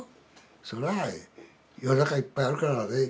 そらあ世の中いっぱいあるからね。